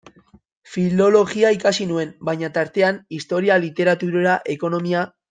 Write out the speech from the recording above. Filologia ikasi nuen, baina, tartean, historia, literatura, ekonomia...